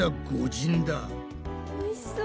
おいしそう。